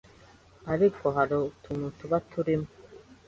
ariko hari utuntu tuba turimo